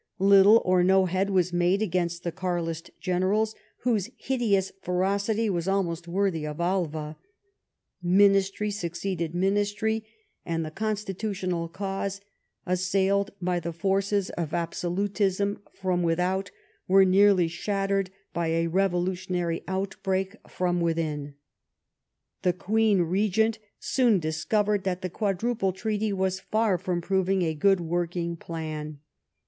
Little or no head was made against the Garlist generals, whose hideous ferocity was almost worthy of Alva; ministry succeeded ministry ; and the constitutional cause, assailed by the forces of absolutism from with out, was nearly shattered by a revolutionary outbreak from within. The Queen Begent soon discovered that the Quadruple Treaty was far from proving a good working plan.